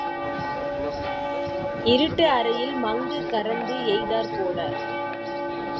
இருட்டு அறையில் மங்கு கறந்து எய்த்தாற் போல.